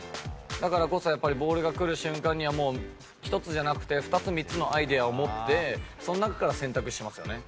だからこそやっぱり、ボールが来る瞬間には、もう１つじゃなくて２つ、３つのアイデアを持って、その中から選択してますからね。